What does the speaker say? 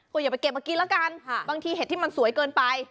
ก็อย่าไปเก็บมากินแล้วกันบางทีเห็ดที่มันสวยเกินไป